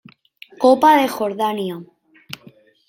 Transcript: Copa de Jordania